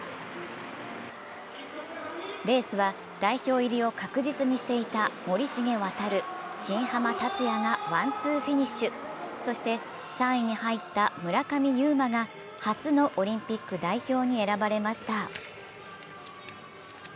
レースは代表入りを確実にしていた、森重航、新濱立也がワン・ツーフィニッシュ３位に入った村上右磨が初のオリンピック代表に選ばれました。